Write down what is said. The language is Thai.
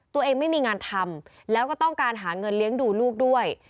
ไม่มีงานทำแล้วก็ต้องการหาเงินเลี้ยงดูลูกด้วย